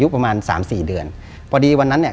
ประมาณสามสี่เดือนพอดีวันนั้นเนี่ย